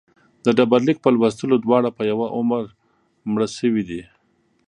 د ډبرلیک په لوستلو دواړه په یوه عمر مړه شوي دي.